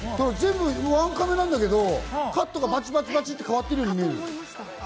ワンカメだけどカットがバチバチ変わってるように見える。